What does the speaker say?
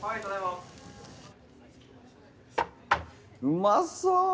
うまそう。